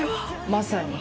まさに。